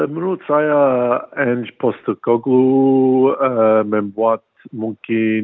menurut saya ens posteko glue membuat mungkin